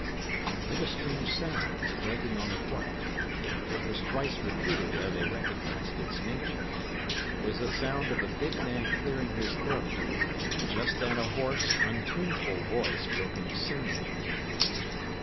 Then came a strange sound, breaking on the quiet. It was twice repeated ere they recognised its nature. It was the sound of a big man clearing his throat; and just then a hoarse, untuneful voice broke into singing.